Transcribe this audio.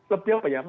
lebih apa ya